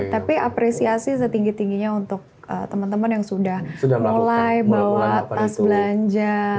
tapi apresiasi setinggi tingginya untuk teman teman yang sudah mulai bawa tas belanja